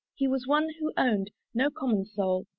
He was one who own'd No common soul.